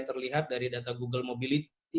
terlihat dari data google mobility